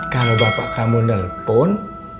kalau bapak kamu telepon